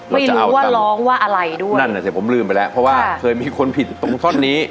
ไม่รู้ว่าร้องว่าอะไรด้วยนั่นแหละสิผมลืมไปแล้วเพราะว่าเคยมีคนผิดตรงท่อนนี้